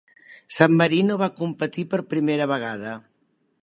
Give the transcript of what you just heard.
San Marino va competir per primera vegada.